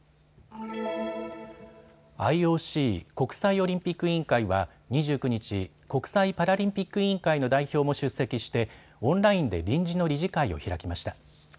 ＩＯＣ・国際オリンピック委員会は２９日、国際パラリンピック委員会の代表も出席してオンラインで臨時の理事会を開きました。